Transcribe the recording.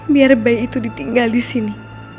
biar bayi itu ditinggal di sini